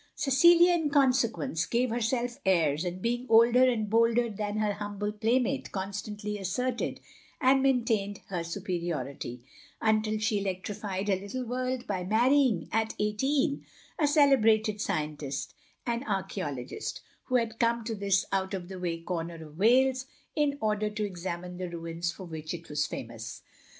Cecilia, in consequence, gave herself airs, and being older and bolder than her humble playmate constantly asserted and maintained her superi ority, tintil she electrified her little world by marrying, at eighteen, a celebrated scientist and archaeologist, who had come to this out of the way comer of Wales in order to examine the ruins for which it was famous.